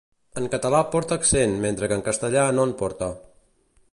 En català porta accent, mentre que en castellà no en porta.